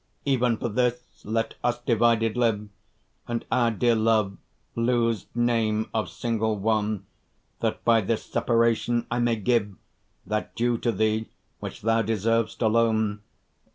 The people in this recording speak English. Even for this, let us divided live, And our dear love lose name of single one, That by this separation I may give That due to thee which thou deserv'st alone.